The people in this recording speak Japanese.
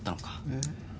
えっ？